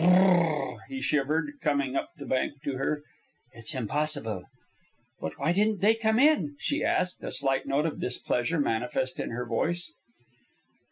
"Br r r r," he shivered, coming up the bank to her. "It's impossible." "But why didn't they come in?" she asked, a slight note of displeasure manifest in her voice.